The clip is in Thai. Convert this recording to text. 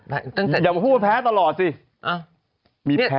อย่าพูดว่าแพ้ตลอดสิ